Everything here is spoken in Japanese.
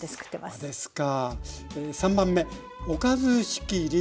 あそうですか。